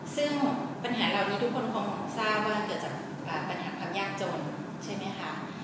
ซึ่งปัญหาเหล่านี้ทุกคนคงทราบว่าเกิดจากปัญหาความยากจนใช่ไหมคะ